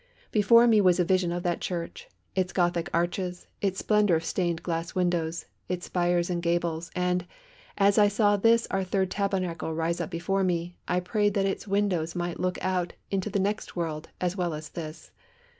Before me was a vision of that church, its Gothic arches, its splendour of stained glass windows, its spires and gables, and, as I saw this our third Tabernacle rise up before me, I prayed that its windows might look out into the next world as well as this.